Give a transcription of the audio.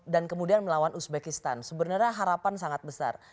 dan kemudian melawan uzbekistan sebenarnya harapan sangat besar